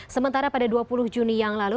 sementara pada dua puluh juni yang lalu